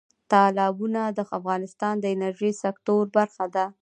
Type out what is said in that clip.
تالابونه د افغانستان د انرژۍ سکتور برخه ده.